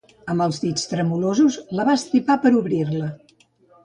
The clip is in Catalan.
Amb els dits tremolosos, la va estripar per obrir-la.